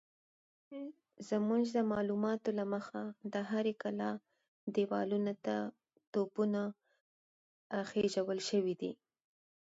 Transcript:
زموږ د معلوماتو له مخې د هرې کلا دېوالونو ته توپونه خېژول شوي دي.